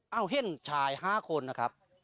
เอาเห็นชาย๕คนนะครับ